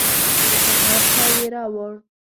د سهار چای يې راوړ.